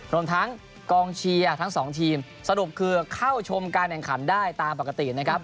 รวมทั้งกองเชียร์ทั้งสองทีมสรุปคือเข้าชมการแข่งขันได้ตามปกตินะครับ